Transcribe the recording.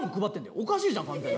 おかしいじゃん完全に。